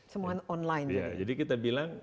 semuanya online jadi kita bilang